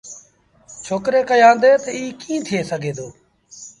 ڇوڪري ڪيآݩدي تا ايٚ ڪيٚݩ ٿئي سگھي دو